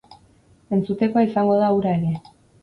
Entzutekoa izango da hura ere!